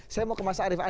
saya mau ke mas arief